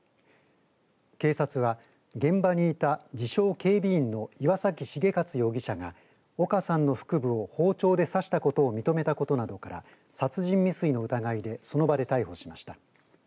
警察は現場にいた自称警備員の岩崎繁勝容疑者が岡さんの腹部を包丁で刺したことを認めたことなどから殺人未遂の疑いでその場で逮捕しました。